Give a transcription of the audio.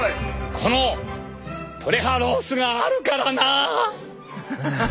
このトレハロースがあるからな！